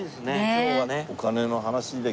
今日はね。